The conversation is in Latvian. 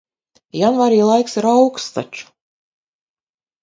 Janvārī laiks ir auksts taču.